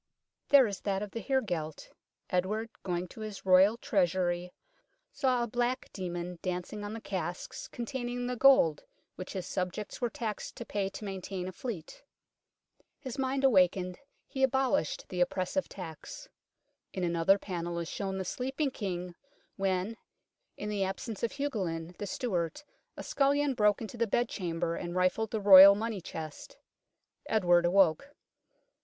There is that of the heregelt. Edward, going to his Royal Treasury, saw a black demon dancing on the casks containing the gold which his subjects were taxed to pay to maintain a fleet. His mind awakened, he abolished the oppressive tax. In another panel is shown the sleeping King when, in the absence of Hugolin, the steward, a scullion broke into the bed chamber and rifled the Royal money chest. Edward awoke.